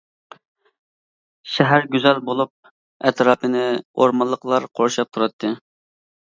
شەھەر گۈزەل بولۇپ ئەتراپىنى ئورمانلىقلار قورشاپ تۇراتتى.